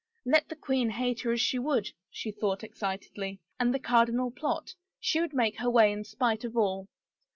Let the queen hate her as she would, she thought excitedly, and the cardinal plot, she would make her way in spite of all.